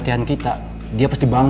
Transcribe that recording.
itu satu yang yang penting